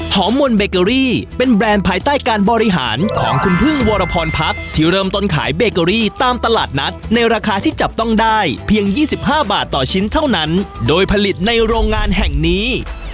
มนต์เบเกอรี่เป็นแบรนด์ภายใต้การบริหารของคุณพึ่งวรพรพักที่เริ่มต้นขายเบเกอรี่ตามตลาดนัดในราคาที่จับต้องได้เพียง๒๕บาทต่อชิ้นเท่านั้นโดยผลิตในโรงงานแห่งนี้